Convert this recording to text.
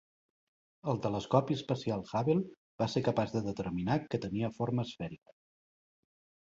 El telescopi espacial Hubble va ser capaç de determinar que tenia forma esfèrica.